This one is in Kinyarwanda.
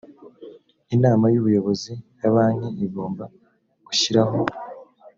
inama y ubuyobozi ya banki igomba gushyiraho